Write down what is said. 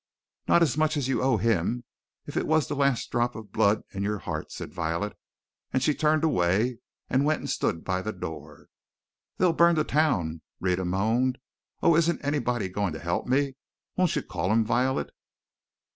"Not as much as you owe him, if it was the last drop of blood in your heart!" said Violet. And she turned away, and went and stood by the door. "They'll burn the town!" Rhetta moaned. "Oh, isn't anybody going to help me won't you call him, Violet?"